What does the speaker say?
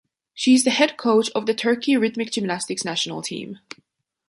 She is the head coach of the Turkey rhythmic gymnastics national team.